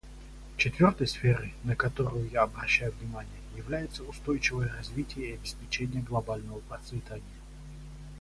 Четвертой сферой, на которую я обращаю внимание, является устойчивое развитие и обеспечение глобального процветания.